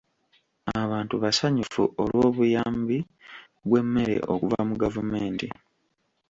Abantu basanyufu olw'obuyambi bw'emmere okuva mu gavumenti.